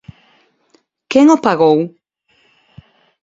¿Quen o pagou?